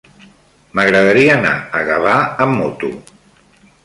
M'agradaria anar a Gavà amb moto.